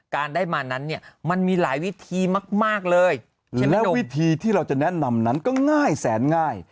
การได้มานั้นเนี่ยมันมีหลายวิธีมากเลยแล้ววิธีที่เราจะแนะนำนั้นก็ง่ายแสนง่าย